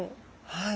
はい。